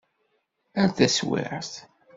Ar taswiεt!